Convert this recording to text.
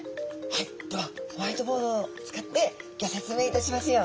はいではホワイトボードを使ってギョ説明いたしますよ。